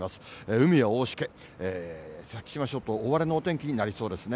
海は大しけ、先島諸島、大荒れのお天気になりそうですね。